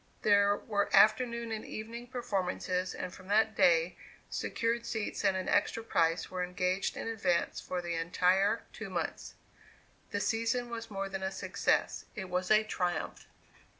There were afternoon and evening performances and from that day secured seats at an extra price were engaged in advance for the entire two months. The season was more than a success, it was a triumph.